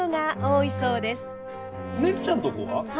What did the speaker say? ねるちゃんとこは？